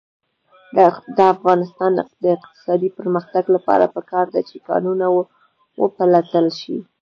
د افغانستان د اقتصادي پرمختګ لپاره پکار ده چې کانونه وپلټل شي.